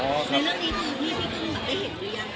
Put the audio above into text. คุณแม่น้องให้โอกาสดาราคนในผมไปเจอคุณแม่น้องให้โอกาสดาราคนในผมไปเจอ